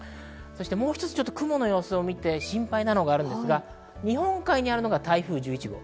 もう一つ、雲の様子を見て心配なのがありますが、日本海にあるのが台風１１号。